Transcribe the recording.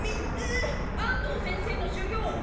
えっ安藤先生の授業を？